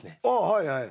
はいはい。